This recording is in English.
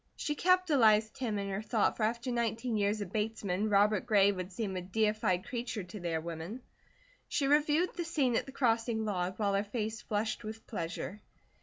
She capitalized him in her thought, for after nineteen years of Bates men Robert Gray would seem a deified creature to their women. She reviewed the scene at the crossing log, while her face flushed with pleasure.